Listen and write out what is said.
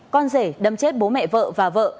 con rể đâm chết bố mẹ vợ và vợ